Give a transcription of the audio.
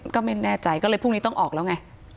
ก็ไม่แน่ใจก็เลยพรุ่งนี้ต้องออกแล้วไง